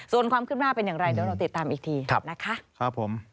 ส่วนความขึ้นหน้าเป็นอย่างไรเดี๋ยวเราติดตามอีกทีนะคะครับผม